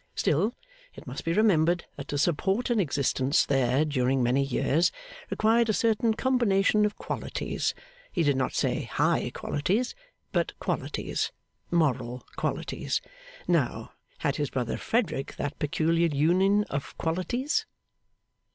Still, it must be remembered that to support an existence there during many years, required a certain combination of qualities he did not say high qualities, but qualities moral qualities. Now, had his brother Frederick that peculiar union of qualities?